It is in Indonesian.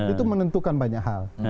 itu menentukan banyak hal